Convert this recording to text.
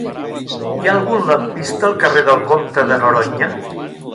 Hi ha algun lampista al carrer del Comte de Noroña?